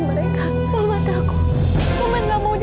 mama yang melakukan semua itu